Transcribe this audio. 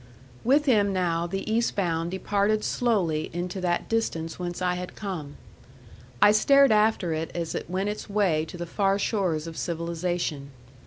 With him now the Eastbound departed slowly into that distance whence I had come. I stared after it as it went its way to the far shores of civilization.